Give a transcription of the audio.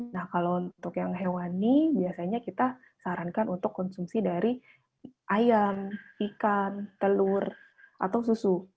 nah kalau untuk yang hewani biasanya kita sarankan untuk konsumsi dari ayam ikan telur atau susu